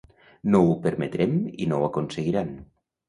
No ho permetrem i no ho aconseguiran.